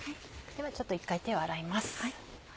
ではちょっと一回手を洗います。